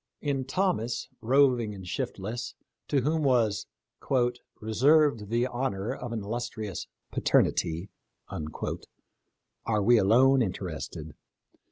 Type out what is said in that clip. In Thomas, roving and shiftless, to whom was " reserved the honor of an illustrious paternity," are we alone interested.